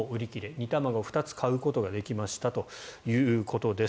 煮卵２つ買うことができましたということです。